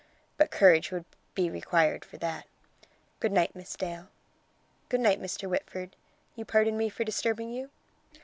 But courage would be required for that. Good night, Miss Dale." "Good night, Mr. Whitford. You pardon me for disturbing you?"